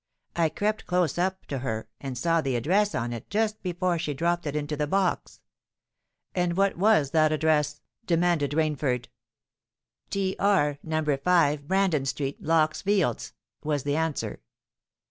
I crept close up to her and saw the address on it just before she dropped it into the box." "And what was that address?" demanded Rainford. "T. R., No. 5, Brandon Street, Lock's Fields," was the answer.